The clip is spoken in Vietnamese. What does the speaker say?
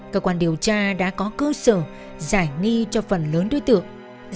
cơ quan điều tra đã có cơ sở giải nghi cho phần lớn đối tượng